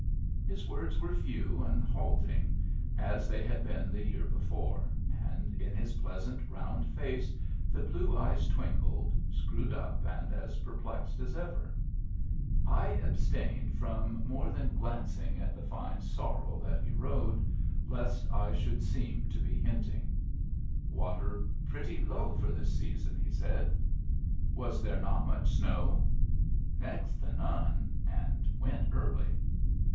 His words were few and halting, as they had been the year before, and in his pleasant, round face the blue eyes twinkled, screwed up and as per plexed as ever. I abstained from more than Digitized by VjOOQIC THE GIFT HORSE 179 glancing at the fine sorrel that he rode, lest I should seem to be hinting. I "Water pretty low for this season," he said. "Was there not much snow?" " Next to none, and went early."